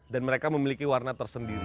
dan mereka memiliki warna tersendiri